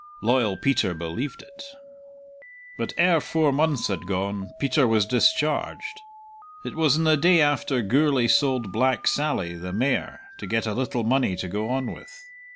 Loyal Peter believed it. But ere four months had gone Peter was discharged. It was on the day after Gourlay sold Black Sally, the mare, to get a little money to go on with.